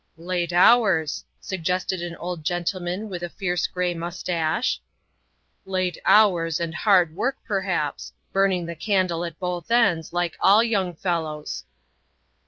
" Late hours," suggested an old gentleman with a fierce gray mustache, " late hours and hard work per haps. Burning the candle at both ends, like all young fellows."